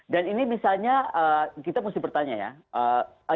dan ini misalnya kita mesti bertanya ya